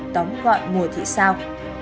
tóm gọi mùa thị sao